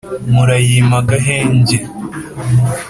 murayime agahenge